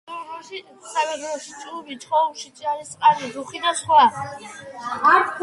მდინარეები სამგრელოში ჯუმი, ჩხოუში, ჭანისწყალი, რუხი და სხვა.